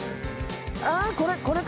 ああこれ。